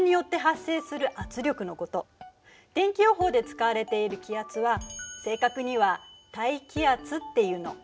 天気予報で使われている気圧は正確には「大気圧」っていうの。